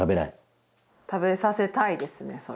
和田：食べさせたいですね